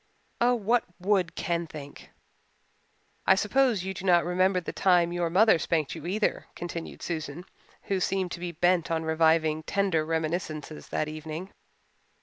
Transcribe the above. Oh, what would Ken think? "I suppose you do not remember the time your mother spanked you either," continued Susan, who seemed to be bent on reviving tender reminiscences that evening.